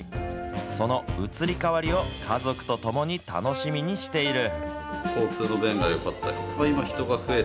その移り変わりを家族と共に楽しみにしている。